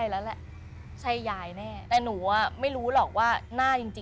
ละสายตาตรงนี้